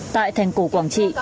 tại thành cổ quảng trị